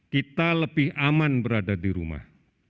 kita lebih aman berada di rumah